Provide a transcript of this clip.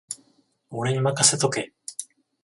俺にまかせとけ